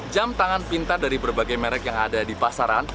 jam tangan pintar dari berbagai merek yang ada di pasaran